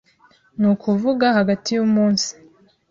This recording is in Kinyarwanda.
ni ukuvuga hagati y'umunsi